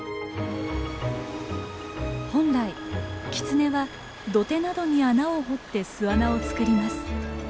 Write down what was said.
本来キツネは土手などに穴を掘って巣穴を作ります。